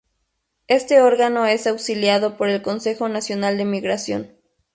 Este órgano es auxiliado por el Consejo Nacional de Migración.